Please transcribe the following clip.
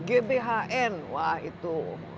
gbhn wah itu